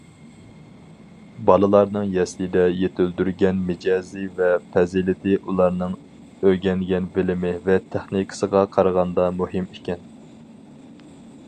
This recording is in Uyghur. بالىلارنىڭ يەسلىدە يېتىلدۈرگەن مىجەزى ۋە پەزىلىتى ئۇلارنىڭ ئۆگەنگەن بىلىمى ۋە تېخنىكىسىغا قارىغاندا مۇھىم ئىكەن.